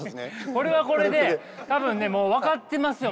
これはこれで多分ねもう分かってますよ！